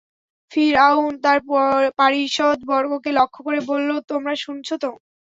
ফিরআউন তার পারিষদবর্গকে লক্ষ্য করে বলল, তোমরা শুনছ তো?